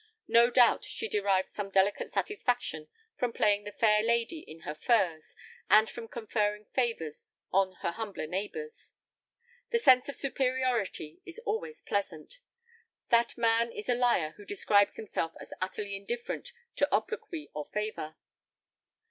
No doubt she derived some delicate satisfaction from playing the fair lady in her furs, and from conferring favors on her humbler neighbors. The sense of superiority is always pleasant. That man is a liar who describes himself as utterly indifferent to obloquy or favor.